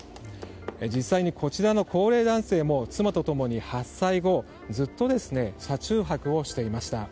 実際にこちらの高齢男性も妻と共に発災後、ずっと車中泊をしていました。